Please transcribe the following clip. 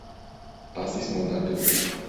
Pasis monato.